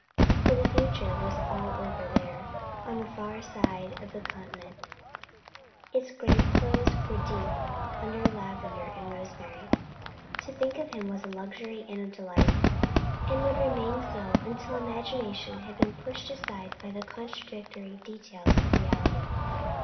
For the future was all over there, on the far side of the continent; its grave clothes were deep under lavender and rosemary. To think of him was a luxury and a delight, and would remain so until Imagination had been pushed aside by the contradictory details of Reality.